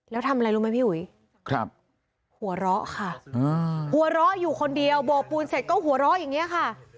แล้วทำอะไรรู้ไหมพี่อุ๋ยหัวเราะค่ะหัวเราะอยู่คนเดียวโบกปูนเสร็จก็หัวเราะอย่างนี้ค่ะ